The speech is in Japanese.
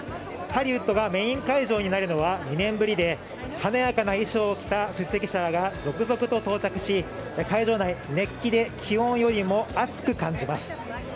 ハリウッドがメイン会場になるのは２年ぶりで華やかな衣装を着た出席者が続々と到着し、続々と到着し、会場内、熱気で気温よりも暑く感じます。